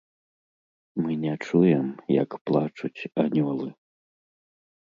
Мы не чуем, як плачуць анёлы.